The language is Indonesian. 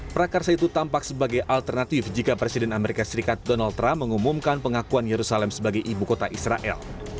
prakarsa itu tampak sebagai alternatif jika presiden amerika serikat donald trump mengumumkan pengakuan yerusalem sebagai ibu kota israel